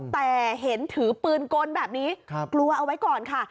แต่เห็นถือปืนกลแบบนี้กลัวเอาไว้ก่อนค่ะ